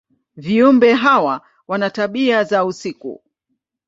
Viumbe hawa wana tabia za usiku.